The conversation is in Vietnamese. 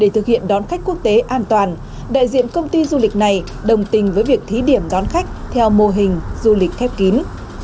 để thực hiện đón khách quốc tế an toàn đại diện công ty du lịch này đồng tình với việc thí điểm đón khách theo mô hình du lịch khép kín